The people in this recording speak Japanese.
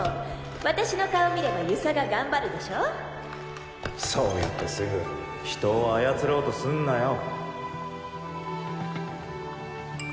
私の顔見れば遊佐が頑張るでそうやってすぐ人を操ろうとすんなよ